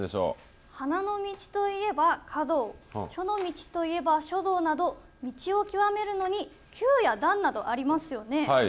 花の道といえば華道、書の道といえば書道など、道を究めるのに、級や段などありますよね。